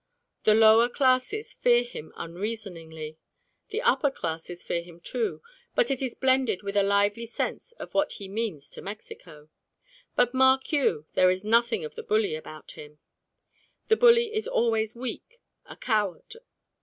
The lower classes fear him unreasoningly; the upper classes fear him too, but it is blended with a lively sense of what he means to Mexico. But mark you! there is nothing of the bully about him. The bully is always weak, a coward.